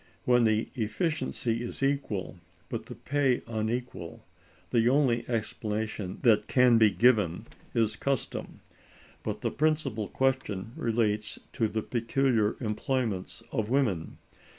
When the efficiency is equal, but the pay unequal, the only explanation that can be given is custom. But the principal question relates to the peculiar employments of women.